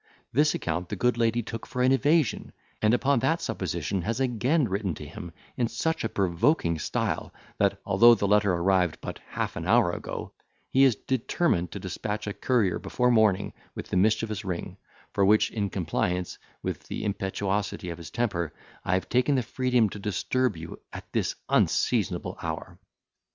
This account the good lady took for an evasion, and upon that supposition has again written to him, in such a provoking style, that, although the letter arrived but half an hour ago, he is determined to despatch a courier before morning with the mischievous ring, for which, in compliance with the impetuosity of his temper, I have taken the freedom to disturb you at this unseasonable hour."